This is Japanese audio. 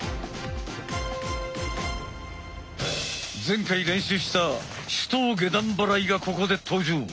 前回練習した手刀下段払いがここで登場。